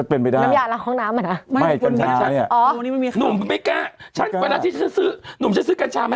คนละหยดหนุ่ม